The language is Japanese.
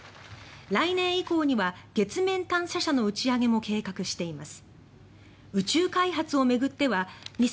来年以降には月面探査車の打ち上げも計画しています。